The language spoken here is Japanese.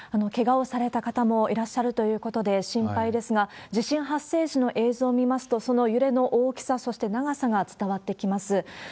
けがをされた方もいらっしゃるということで、心配ですが、地震発生時の映像を見ますと、その揺れの大きさ、そして長さが伝わってきます。